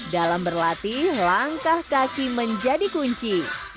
dalam berlatih langkah kaki menjadi kunci